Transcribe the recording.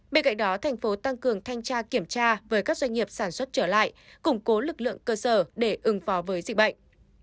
bên cạnh đó thành phố tăng cường thanh tra kiểm tra với các doanh nghiệp sản xuất trở lại củng cố lực lượng cơ sở để ứng phó với dịch bệnh